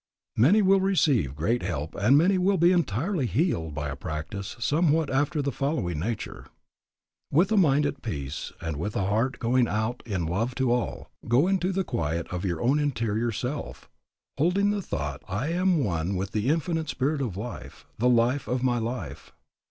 Many will receive great help, and many will be entirely healed by a practice somewhat after the following nature: With a mind at peace, and with a heart going out in love to all, go into the quiet of your own interior self, holding the thought, I am one with the Infinite Spirit of Life, the life of my life.